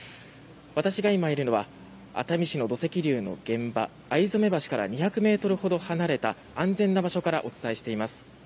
私が今いるのは熱海市の土石流の現場逢初橋から２００ｍほど離れた安全な場所からお伝えしています。